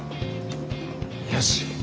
よし。